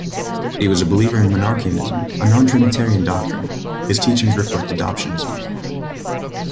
He was a believer in monarchianism, a nontrinitarian doctrine; his teachings reflect adoptionism.